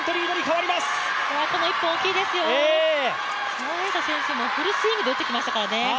孫エイ莎選手もフルスイングで打ってきましたからね。